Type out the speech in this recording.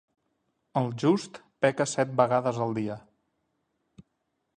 El just peca set vegades el dia.